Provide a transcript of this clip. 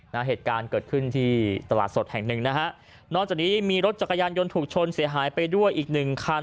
เหตุการณ์เกิดขึ้นที่ตลาดสดแห่งหนึ่งนะฮะนอกจากนี้มีรถจักรยานยนต์ถูกชนเสียหายไปด้วยอีกหนึ่งคัน